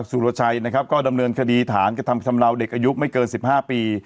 สุรชัยก็ดำเนินคดีฐานกระทำค์ธรรมนาวเด็กอายุไม่เกิน๑๕ปี